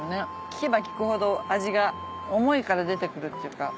聞けば聞くほど味が思いから出てくるっていうか。